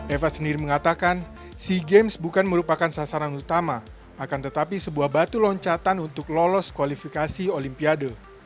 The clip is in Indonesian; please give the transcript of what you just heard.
eva sendiri mengatakan sea games bukan merupakan sasaran utama akan tetapi sebuah batu loncatan untuk lolos kualifikasi olimpiade